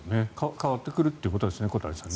変わってくるということですね小谷さん。